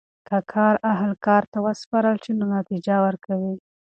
که کار اهل کار ته وسپارل سي نو نتیجه ورکوي.